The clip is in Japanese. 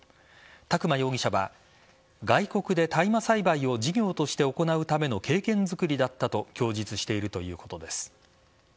宅間容疑者は外国で大麻栽培を事業として行うための経験作りだったと供述しているということです。